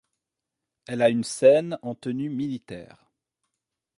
Elle a une scène en tenue militaire.